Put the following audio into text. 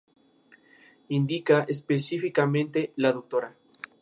Cultivos secundarios: Hortalizas: rábano, acelga, repollo.